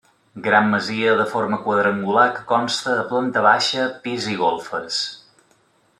Gran masia de forma quadrangular que consta de planta baixa, pis i golfes.